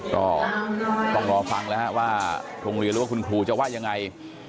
ก็ต้องรอฟังแล้วว่าโรงเรียนหรือว่าคุณครูจะว่ายังไง